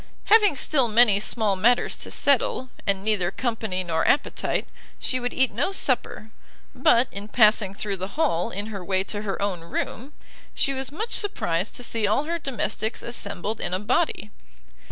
Having still many small matters to settle, and neither company nor appetite, she would eat no supper; but, in passing thro' the hall, in her way to her own room, she was much surprised to see all her domestics assembled in a body.